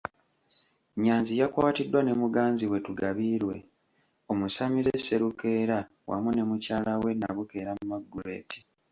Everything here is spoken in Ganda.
Nnyanzi yakwatiddwa ne muganzi we Tugabiirwe, omusamize Sserukeera wamu ne mukyala we Nabukeera Margaret.